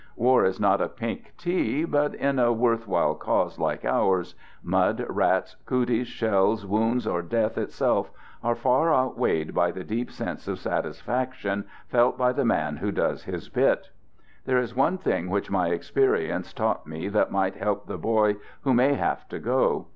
War is not a pink tea, but in a worth while cause like ours, mud, rats, cooties, shells, wounds, or death itself, are far outweighed by the deep sense of satisfaction felt by the man who does his bit There is one thing which my experience taught me that might help the boy who may have to go.